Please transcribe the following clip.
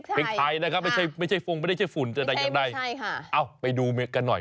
พริกไทยนะครับไม่ใช่ฝุ่นไม่ได้ใช่ฝุ่นแต่ได้อย่างไรค่ะอ้าวไปดูกันหน่อย